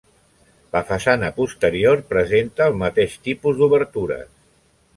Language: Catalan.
La façana posterior presenta el mateix tipus d'obertures.